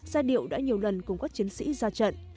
giai điệu đã nhiều lần cùng các chiến sĩ ra trận